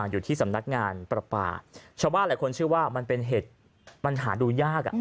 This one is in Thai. อยู่ที่สำนักงานประปาชาวบ้านหลายคนเชื่อว่ามันเป็นเห็ดมันหาดูยากอ่ะ